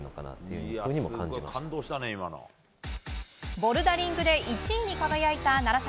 ボルダリングで１位に輝いた楢崎。